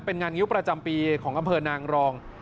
เป็นงานงิ้วประจำปีของอำเภอนางรอง